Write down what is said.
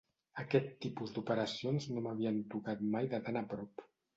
Aquest tipus d’operacions no m’havien tocat mai de tan a prop.